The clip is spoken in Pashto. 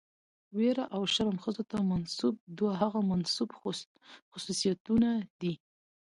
ويره او شرم ښځو ته منسوب دوه هغه منسوب خصوصيتونه دي،